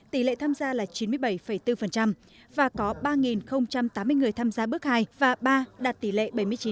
tỷ lệ tham gia là chín mươi bảy bốn và có ba tám mươi người tham gia bước hai và ba đạt tỷ lệ bảy mươi chín